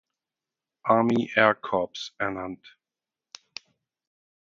Army Air Corps ernannt.